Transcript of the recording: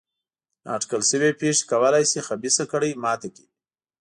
نا اټکل شوې پېښې کولای شي خبیثه کړۍ ماته کړي.